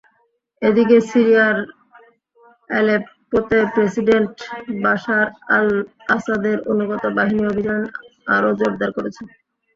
এদিকে, সিরিয়ার আলেপ্পোতে president Bashar আল-আসাদের অনুগত বাহিনী অভিযান আরও জোরদার করেছে।